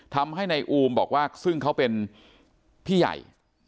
ทำให้นายอูมบอกว่าซึ่งเขาเป็นพี่ใหญ่